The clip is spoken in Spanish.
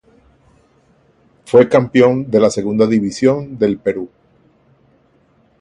Fue campeón de la Segunda División del Perú.